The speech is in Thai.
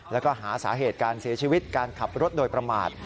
แล้วก็หาสาเหตุการเสียชีวิตการขับรถโดยประมาท